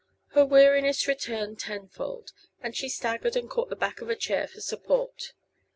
Her weariness returned tenfold, and she staggered and caught the back of a chair for support.